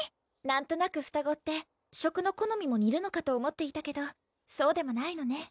なんとなく双子って食のこのみもにるのかと思っていたけどそうでもないのね